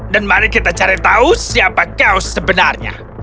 dan mari kita cari tahu siapa kau sebenarnya